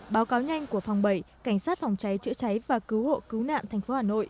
báo cáo nhanh của phòng bảy cảnh sát phòng cháy chữa cháy và cứu hộ cứu nạn thành phố hà nội